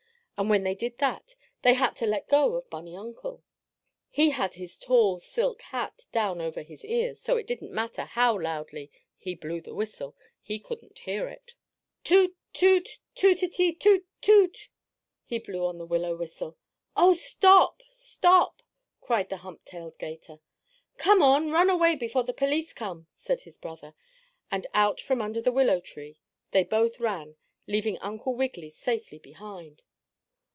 And when they did that they had to let go of bunny uncle. He had his tall silk hat down over his ears, so it didn't matter how loudly he blew the whistle. He couldn't hear it. "Toot! Toot! Tootity toot toot!" he blew on the willow whistle. "Oh, stop! Stop!" cried the hump tailed 'gator. "Come on, run away before the police come!" said his brother. And out from under the willow tree they both ran, leaving Uncle Wiggily safely behind.